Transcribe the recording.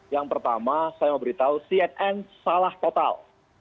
yang pertama saya mau beritahu cnn salah total